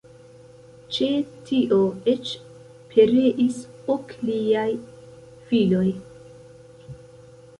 Ĉe tio eĉ pereis ok liaj filoj.